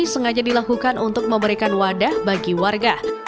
sengaja dilakukan untuk memberikan wadah bagi warga